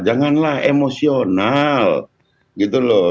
janganlah emosional gitu loh